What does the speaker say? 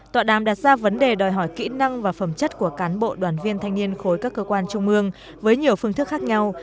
tọa đàm đặt ra vấn đề đòi hỏi kỹ năng và phẩm chất của cán bộ đoàn viên thanh niên khối các cơ quan trung ương với nhiều phương thức khác nhau